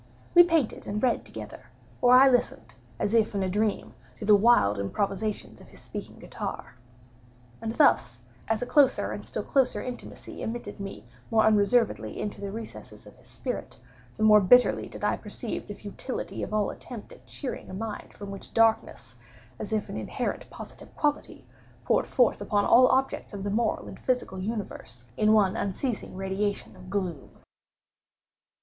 We painted and read together; or I listened, as if in a dream, to the wild improvisations of his speaking guitar. And thus, as a closer and still closer intimacy admitted me more unreservedly into the recesses of his spirit, the more bitterly did I perceive the futility of all attempt at cheering a mind from which darkness, as if an inherent positive quality, poured forth upon all objects of the moral and physical universe, in one unceasing radiation of gloom.